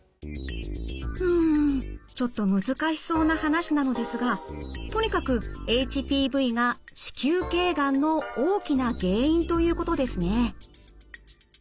うんちょっと難しそうな話なのですがとにかくＨＰＶが子宮頸がんの大きな原因ということですね。